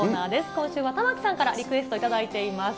今週は玉城さんからリクエスト頂いています。